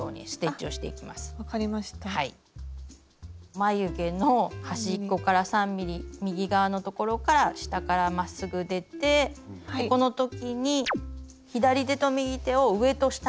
眉毛の端っこから３ｍｍ右側のところから下からまっすぐ出てこの時に左手と右手を上と下に手を使い分けてですね